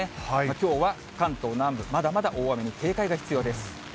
きょうは関東南部、まだまだ大雨に警戒が必要です。